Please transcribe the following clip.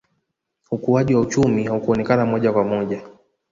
ukuaji wa uchumi haukuonekana moja kwa moja